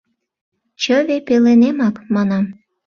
— Чыве пеленемак, — манам.